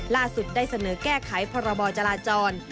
ล่าสุดได้เสนอแก้ไขพรบจราจร